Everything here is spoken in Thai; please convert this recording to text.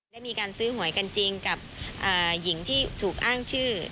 ได้มีการซื้อหวยกันจริงกับหญิงที่ถูกอ้างชื่อ